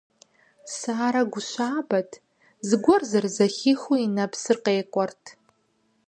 Сарэ гу щабэт, зыгуэр зэрызэхихыу и нэпсыр къекӏуэрт.